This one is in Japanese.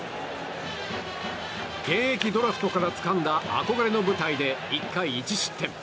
現役ドラフトからつかんだ憧れの舞台で１回１失点。